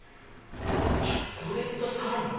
「チョコレートサラミ」？